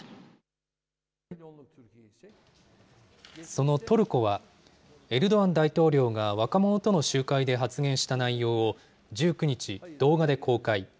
そのトルコは、エルドアン大統領が若者との集会で発言した内容を１９日、動画で公開。